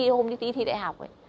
hôm đi thi đại học